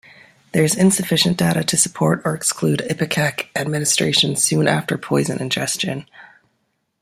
There is insufficient data to support or exclude ipecac administration soon after poison ingestion.